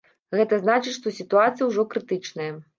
Гэта значыць, што сітуацыя ўжо крытычная?